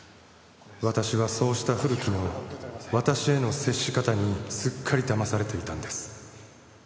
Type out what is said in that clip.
「私はそうした古木の私への接し方にすっかり騙されていたんです」